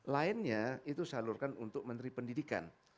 lainnya itu salurkan untuk menteri pendidikan